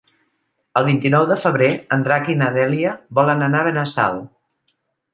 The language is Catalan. El vint-i-nou de febrer en Drac i na Dèlia volen anar a Benassal.